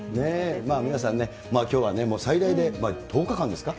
皆さんね、きょうはね、最大で１０日間ですか？